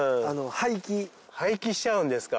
廃棄しちゃうんですか。